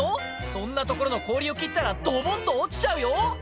そんな所の氷を切ったら、どぼんっと落ちちゃうよ。